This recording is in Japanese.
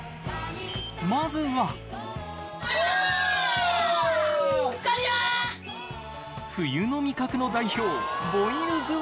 まずは冬の味覚の代表